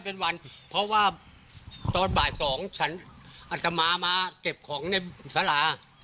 เป็นวันเพราะว่าตอนบ่ายสองฉันอัตมามาเก็บของในสารา